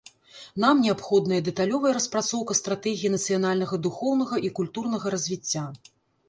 Нам неабходная дэталёвая распрацоўка стратэгіі нацыянальнага духоўнага і культурнага развіцця.